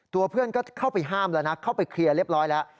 ตัวเพื่อนก็เข้าไปห้ามแล้วนะเข้าไปเคลียร์เรียบร้อยแล้ว